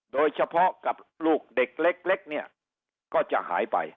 โดยเฉพาะกับลูกเด็กเล็กเนี่ยก็จะหายไป